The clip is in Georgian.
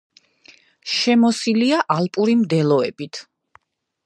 შემოსილია ალპური მდელოებით.